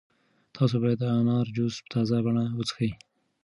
تاسو باید د انار جوس په تازه بڼه وڅښئ.